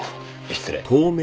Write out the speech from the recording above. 失礼。